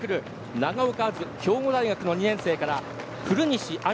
長岡あず、兵庫大学の２年生から古西亜海